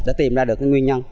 để tìm ra được cái nguyên nhân